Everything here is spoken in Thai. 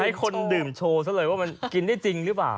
ให้คนดื่มโชว์ซะเลยว่ามันกินได้จริงหรือเปล่า